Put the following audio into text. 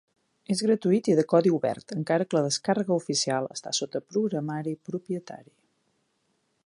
És gratuït i de codi obert, encara que la descàrrega oficial està sota programari propietari.